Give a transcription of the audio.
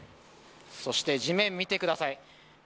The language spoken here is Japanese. そして、地面を見てください。